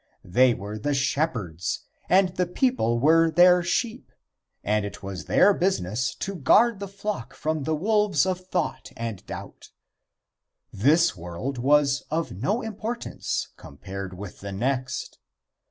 They were the shepherds, and the people were their sheep and it was their business to guard the flock from the wolves of thought and doubt. This world was of no importance compared with the next.